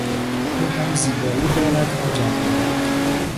او هم زیبایی دارد هم جوانی.